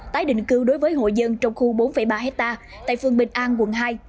tái định cư đối với hội dân trong khu bốn ba ha tại phương bình an quận hai